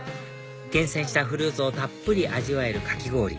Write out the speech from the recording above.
厳選したフルーツをたっぷり味わえるかき氷